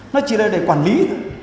nó chỉ là để quản lý thôi